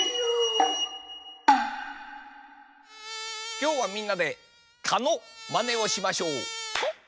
きょうはみんなで蚊のまねをしましょう。